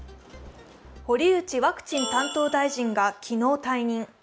堀内ワクチン担当大臣が昨日退任。